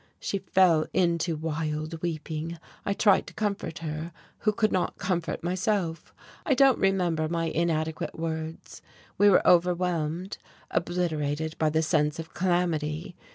She fell into wild weeping. I tried to comfort her, who could not comfort myself; I don't remember my inadequate words. We were overwhelmed, obliterated by the sense of calamity....